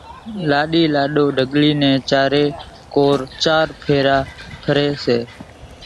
لاڏو لاڏِي ڍڳليان نين چارين ڪور چار ڦيرا ڦري سي۔